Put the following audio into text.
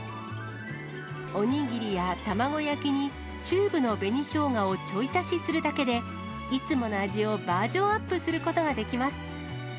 お握りや卵焼きにチューブの紅しょうがをちょい足しするだけで、いつもの味をバージョンアップすることができます。